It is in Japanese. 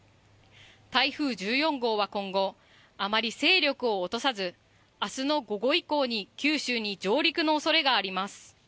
台風１４号は今後、あまり勢力を落とさず明日の午後以降に、九州に上陸のおそれがあります。